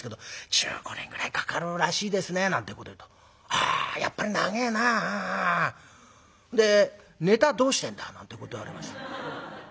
「１５年ぐらいかかるらしいですね」なんてこと言うと「ああやっぱり長えなあ。でネタどうしてんだ？」なんてこと言われまして。